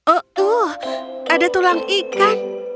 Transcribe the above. oh ada tulang ikan